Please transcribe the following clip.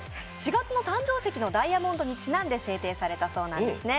４月の誕生石のダイヤモンドにちなんで制定されたそうなんですね。